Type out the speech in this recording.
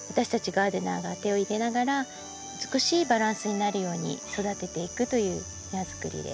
ガーデナーが手を入れながら美しいバランスになるように育てていくという庭づくりです。